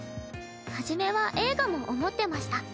初めは映画も思ってました。